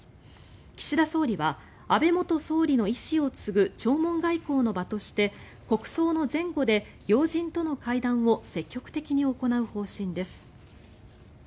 岸田総理は安倍元総理の遺志を継ぐ弔問外交の場として国葬の前後で要人との会談を積極的に行う方針です。